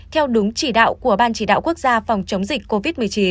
theo đúng chỉ đạo của ban chỉ đạo quốc gia phòng chống dịch covid một mươi chín